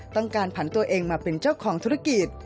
ผ่านผันตัวเองมาเป็นเจ้าของธุรกิจ